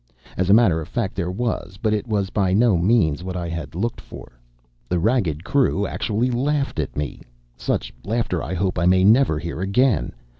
As a matter of fact there was; but it was by no means what I had looked for. The ragged crew actually laughed at me such laughter I hope I may never hear again.